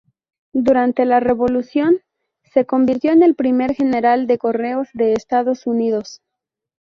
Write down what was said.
Durante la Revolución, se convirtió en el primer general de correos de Estados Unidos.